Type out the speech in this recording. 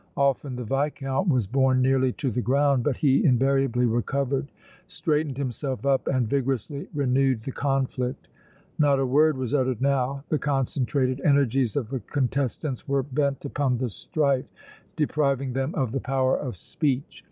Often the Viscount was borne nearly to the ground but he invariably recovered, straightened himself up and vigorously renewed the conflict. Not a word was uttered now. The concentrated energies of the contestants were bent upon the strife, depriving them of the power of speech.